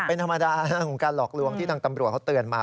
เป็นธรรมดาของการหลอกลวงที่ทางตำรวจเขาเตือนมา